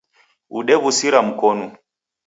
Odew'usira Mkonu